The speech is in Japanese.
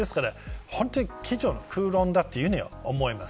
本当に机上の空論だと思います。